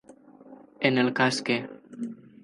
En el cas que.